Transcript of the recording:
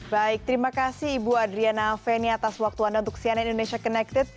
baik terima kasih ibu adriana feni atas waktu anda untuk cnn indonesia connected